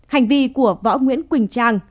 hành vi của võ nguyễn quỳnh trang